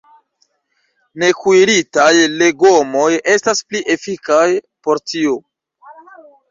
Nekuiritaj legomoj estas pli efikaj por tio.